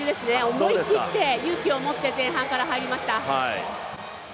思い切って、勇気を持って前半から入りました。